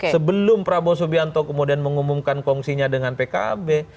sebelum prabowo subianto kemudian mengumumkan kongsinya dengan pkb